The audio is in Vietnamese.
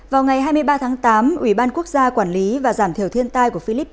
vào ngày hai mươi ba tháng tám ủy ban quốc gia quản lý và giảm thiểu thiên tai của philippines